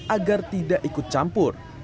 agar tidak ikut campur